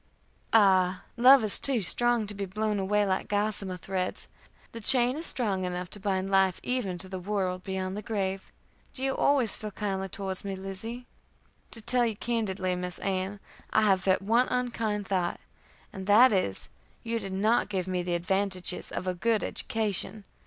"Ah! love is too strong to be blown away like gossamer threads. The chain is strong enough to bind life even to the world beyond the grave. Do you always feel kindly towards me, Lizzie?" "To tell you candidly, Miss Ann[e], I have but one unkind thought, and that is, that you did not give me the advantages of a good education.